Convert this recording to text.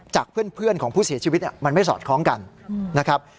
จากเพื่อนของผู้เสียชีวิตมันไม่สอดคล้องกันนะครับ